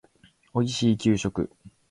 おいしい給食